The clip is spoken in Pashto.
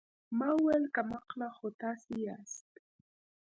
ما وويل کم عقله خو تاسې ياست.